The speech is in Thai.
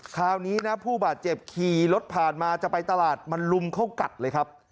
คราวนี้นะผู้บาดเจ็บขี่รถผ่านมาจะไปตลาดมันลุมเข้ากัดเลยครับ